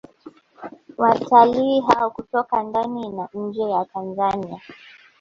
Wataii hao hutoka ndani na nje ya Tanzania